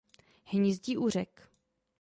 Hnízdí u řek.